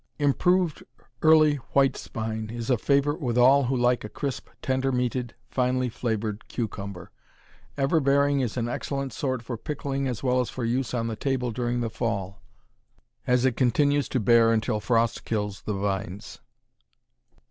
Improved Early White Spine is a favorite with all who like a crisp, tender meated, finely flavored cucumber. Ever bearing is an excellent sort for pickling as well as for use on the table during the fall, as it continues to bear until frost kills the vines.